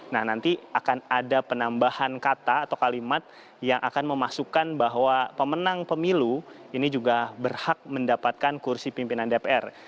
nah nanti akan ada penambahan kata atau kalimat yang akan memasukkan bahwa pemenang pemilu ini juga berhak mendapatkan kursi pimpinan dpr